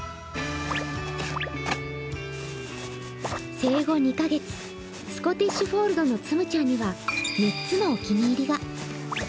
生後２カ月、スコティッシュホールドのつむちゃんには３つのお気に入りが。